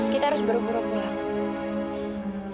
kita harus berubur ubur kam